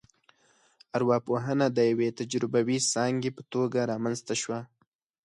ارواپوهنه د یوې تجربوي ځانګې په توګه رامنځته شوه